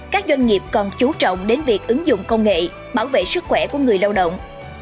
các doanh nghiệp còn chú trọng đến việc ứng dụng công nghệ bảo vệ sức khỏe của người lao động